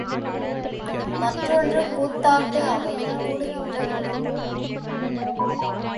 மற்றொன்று கூத்தாட்டு அவையில் கூடுகின்ற குழாம்.